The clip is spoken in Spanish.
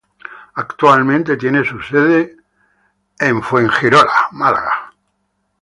Actualmente tiene su sede en Costa Mesa, California.